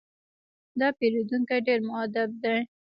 دا پیرودونکی ډېر مؤدب دی.